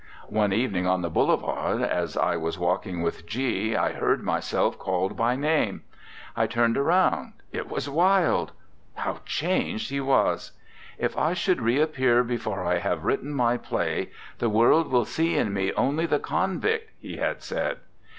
One evening on the Boulevards, as I was walking with G , I heard myself called by name. I turn around, it was Wilde! How changed he was! "If I should reappear before I have written my play, the world will see in me only the convict," he had said.